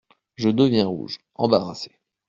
Je deviens rouge, embarrassée…